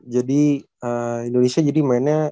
jadi indonesia jadi mainnya